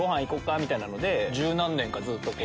みたいなので１０何年かずっと。